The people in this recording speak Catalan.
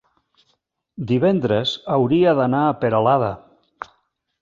divendres hauria d'anar a Peralada.